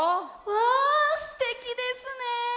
あすてきですね！